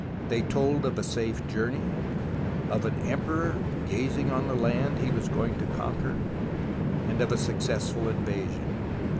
They told of a safe journey, of an emperor gazing on the land he was going to conquer, of a successful invasion.